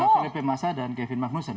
felipe massa dan kevin magnussen